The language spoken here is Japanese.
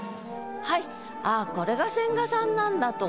はいあぁこれが千賀さんなんだと。